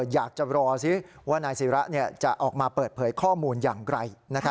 อยากจะรอสิว่านายศิระจะออกมาเปิดเผยข้อมูลอย่างไร